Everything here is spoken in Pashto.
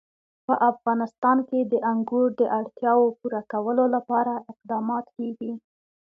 په افغانستان کې د انګور د اړتیاوو پوره کولو لپاره اقدامات کېږي.